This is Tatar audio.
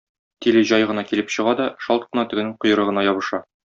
Тиле җай гына килеп чыга да, шалт кына тегенең койрыгына ябыша.